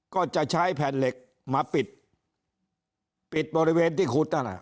ก็จะใช้แผ่นเหล็กมาปิดปิดบริเวณที่ขุดนั่นแหละ